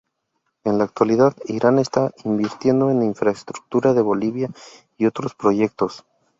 En la actualidad, Irán está invirtiendo en la infraestructura de Bolivia y otros proyectos.